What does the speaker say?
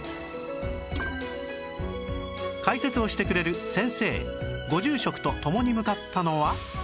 解説をしてくれる先生ご住職と共に向かったのは